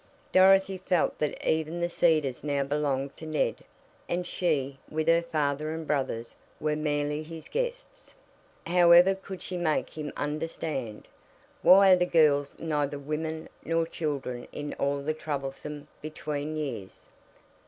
Dorothy felt that even The Cedars now belonged to Ned, and she, with her father and brothers, were merely his guests. How ever could she make him understand? Why are girls neither women nor children in all the troublesome "between" years?